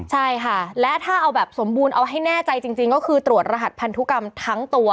ใช่ค่ะและถ้าเอาแบบสมบูรณ์เอาให้แน่ใจจริงก็คือตรวจรหัสพันธุกรรมทั้งตัว